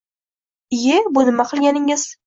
Ie, bu nima qilganingiz